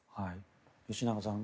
吉永さん